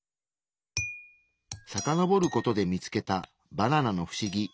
さかのぼることで見つけたバナナのフシギ。